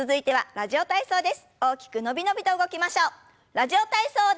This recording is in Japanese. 「ラジオ体操第２」。